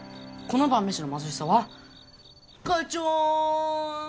この晩飯の貧しさはガチョン！